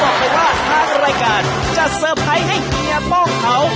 ถ้ารายการจะเซอร์ไพร์ให้เหยียพ่อเขา